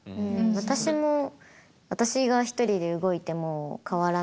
私も私が一人で動いても変わらないし。